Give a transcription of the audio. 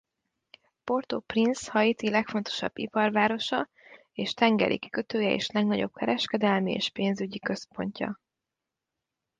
Port-au-Prince Haiti legfontosabb iparvárosa és tengeri kikötője és legnagyobb kereskedelmi- és pénzügyi központja.